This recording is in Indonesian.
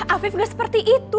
afif gak seperti itu